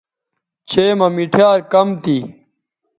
چئے مہ مِٹھیار کم تھی